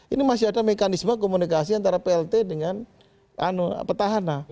ini masih ada mekanisme komunikasi antara plt dengan petahana